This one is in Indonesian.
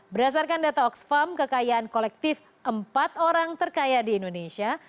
berdasarkan data oxfam kekayaan kolektif empat orang terkaya di indonesia